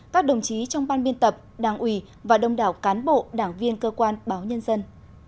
các đồng chí trong ban biên tập đảng ủy và đông đảo cán bộ đảng viên cơ quan báo nhân dân